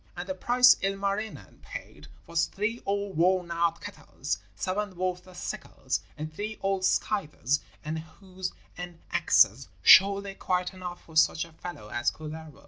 And the price Ilmarinen paid was three old worn out kettles, seven worthless sickles, and three old scythes and hoes and axes, surely quite enough for such a fellow as Kullervo.